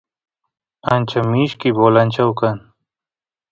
ancha mishki bolanchau kan